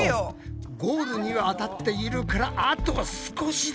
ゴールには当たっているからあと少しだ。